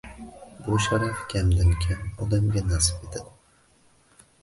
Bu sharaf kamdan-kam odamga nasib etadi